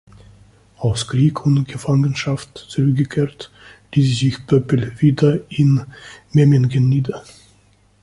Aus Krieg und Gefangenschaft zurückgekehrt, ließ sich Pöppel wieder in Memmingen nieder.